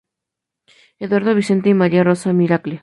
Eduardo Vicente y María Rosa Miracle.